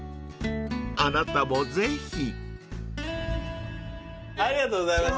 ［あなたもぜひ］ありがとうございました。